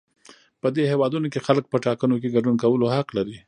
په دې هېوادونو کې خلک په ټاکنو کې ګډون کولو حق لري.